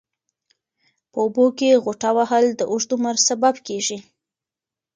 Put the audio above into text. په اوبو کې غوټه وهل د اوږد عمر سبب کېږي.